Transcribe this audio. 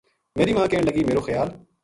میری ماں کہن لگی ” میرو خیال